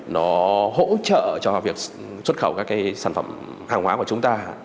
nó hỗ trợ cho việc xuất khẩu các cái sản phẩm hàng hóa của chúng ta